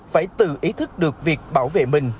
phải tự ý thức được việc bảo vệ mình